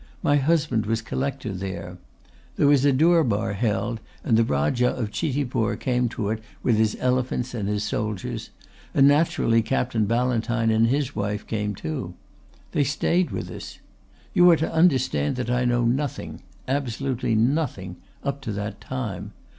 My husband was Collector there. There was a Durbar held there and the Rajah of Chitipur came to it with his elephants and his soldiers, and naturally Captain Ballantyne and his wife came too. They stayed with us. You are to understand that I knew nothing absolutely nothing up to that time.